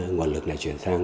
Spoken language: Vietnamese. nguồn lực này chuyển sang